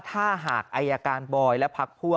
ถ้าหากไออาการบ่อยและพักพั่ว